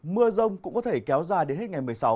mưa rông cũng có thể kéo dài đến hết ngày một mươi sáu